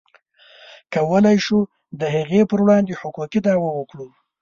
کولی شو د هغې پر وړاندې حقوقي دعوه وکړو.